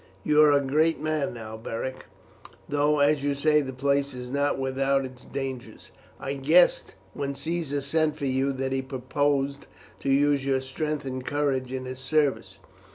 "You are a great man now, Beric, though, as you say, the place is not without its dangers. I guessed when Caesar sent for you that he purposed to use your strength and courage in his service.